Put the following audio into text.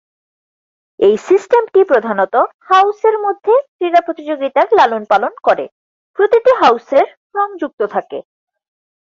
এই সিস্টেমটি প্রধানত হাউসের মধ্যে ক্রীড়া প্রতিযোগিতার লালনপালন করে, প্রতিটি হাউসের রং যুক্ত থাকে।